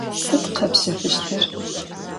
Sıd khepşefıştır?